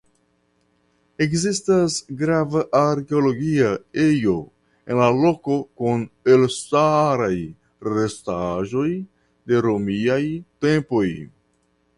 Ekzistas grava arkeologia ejo en la loko kun elstaraj restaĵoj de romiaj tempoj.